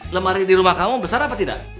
lemari di rumah kamu besar apa tidak